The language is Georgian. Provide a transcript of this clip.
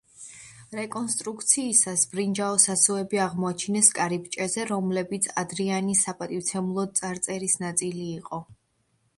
რეკონსტრუქციისას ბრინჯაოს ასოები აღმოაჩინეს კარიბჭეზე, რომლებიც ადრიანის საპატივცემულოდ წარწერის ნაწილი იყო.